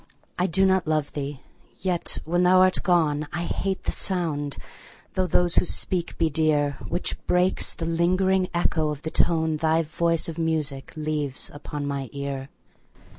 I do not love thee!—yet, when thou art gone, I hate the sound (though those who speak be dear) 10 Which breaks the lingering echo of the tone Thy voice of music leaves upon my ear.